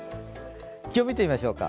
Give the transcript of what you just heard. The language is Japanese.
気温、見てみましょうか。